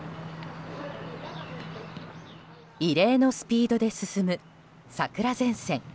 異例のスピードで進む桜前線。